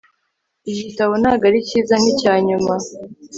iki gitabo ntabwo ari cyiza nkicyanyuma